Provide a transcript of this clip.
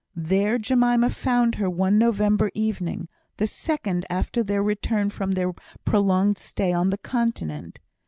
There Jemima found her one November evening, the second after their return from their prolonged stay on the Continent.